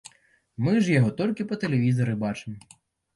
Мы ж яго толькі па тэлевізары бачым.